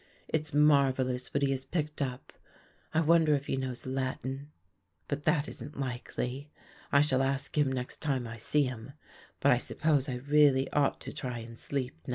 It's marvellous what he has picked up. I wonder if he knows Latin. But that isn't likely. I shall ask him next time I see him, but I suppose I really ought to try and sleep now."